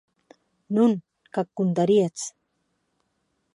Non, qu’ac condaríetz.